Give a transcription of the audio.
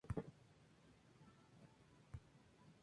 Jello Biafra pronunció un discurso de apertura.